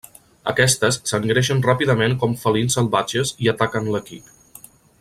Aquestes s'engreixen ràpidament com felins salvatges i ataquen l'equip.